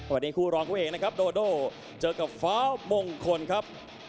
วันนี้คู่รองคู่เอกนะครับโดโดเจอกับฟ้ามงคลครับ